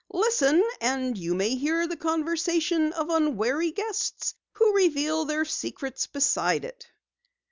Listen and you may hear the conversation of unwary guests who reveal their secrets beside it!"